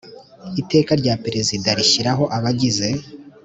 Iteka rya Perezida rishyiraho abagize